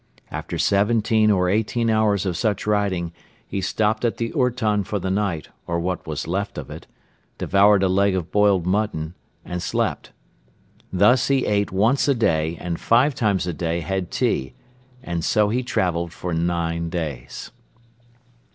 After seventeen or eighteen hours of such riding he stopped at the ourton for the night or what was left of it, devoured a leg of boiled mutton and slept. Thus he ate once a day and five times a day had tea; and so he traveled for nine days!